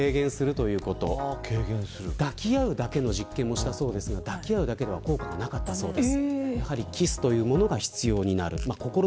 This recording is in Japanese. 抱き合うだけの実験もしましたが、抱き合うだけでは効果がなかったようです。